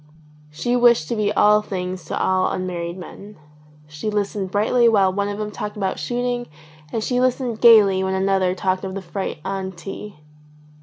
She wished to be all things to all unmarried men. She listened brightly while one of them talked of shooting and she listened gaily when another talked of the freight on tea.